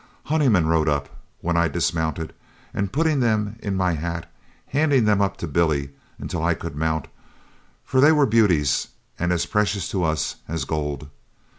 Honeyman rode up, when I dismounted, and putting them in my hat, handed them up to Billy until I could mount, for they were beauties and as precious to us as gold.